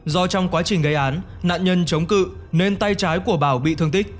do trong quá trình gây án nạn nhân chống cự nên tay trái của bảo bị thương tích